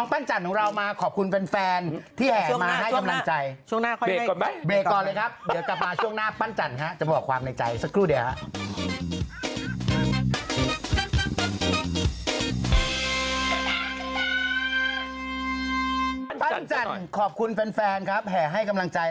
ปั๊มบนประกาศ๒๐๓๐ใบปั๊มเข้าไป